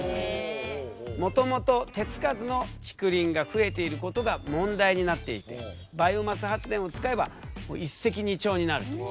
もともと手付かずの竹林が増えていることが問題になっていてバイオマス発電を使えばもう一石二鳥になるという。